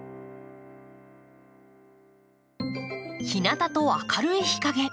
「日なた」と「明るい日かげ」。